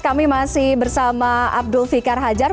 kami masih bersama abdul fikar hajar